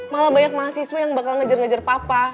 malah banyak mahasiswa yang bakal ngejar ngejar papa